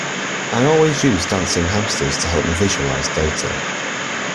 I always use dancing hamsters to help me visualise data.